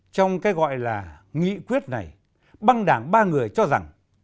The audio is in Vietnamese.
trong cái gọi là nghị quyết này băng đảng ba người cho rằng